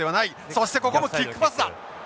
そしてここもキックパスだ。